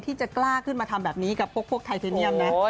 ที่จะกล้าขึ้นมาทำแบบนี้กับพวกไทเทเนียมนะ